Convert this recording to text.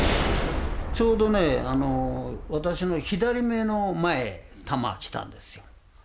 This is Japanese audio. ちょうどね私の左目の前弾来たんですよ。